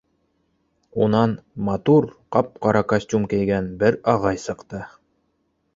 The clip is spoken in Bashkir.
Унан матур, ҡап-ҡара костюм кейгән бер ағай сыҡты.